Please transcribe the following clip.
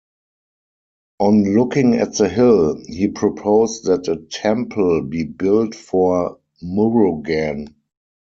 On looking at the hill, he proposed that a temple be built for Murugan.